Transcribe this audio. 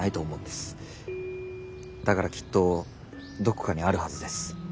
だからきっとどこかにあるはずです